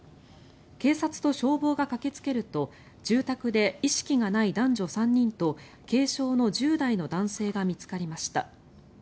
警察と消防が駆けつけると住宅で意識がない男女３人と軽傷の１０代の男性が見つかりました。